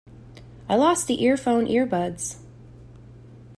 I lost the earphone earbuds.